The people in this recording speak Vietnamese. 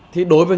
thì đối với